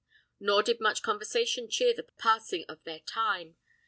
Nor did much conversation cheer the passing of their time.